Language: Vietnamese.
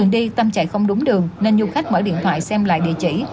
đường đi tâm chạy không đúng đường nên du khách mở điện thoại xem lại địa chỉ